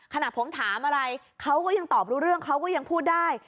ขณะผมถามอะไรเขาก็ยังตอบรู้เรื่องเขาก็ยังพูดได้